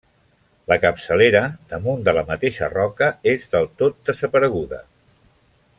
La capçalera, damunt de la mateixa roca, és del tot desapareguda.